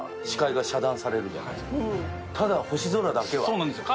そうなんですよ